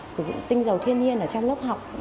sử dụng tinh dầu thiên nhiên ở trong lớp học